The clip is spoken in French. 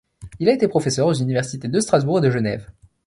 Il a été professeur aux universités de Strasbourg et de Genève.